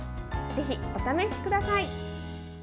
ぜひ、お試しください。